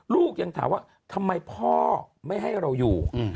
ลูกยังถามว่าทำไมพ่อไม่ให้เราอยู่